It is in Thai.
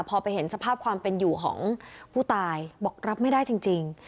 พอไปเห็นสภาพความเป็นอยู่ของผู้ตายบอกรับไม่ได้จริง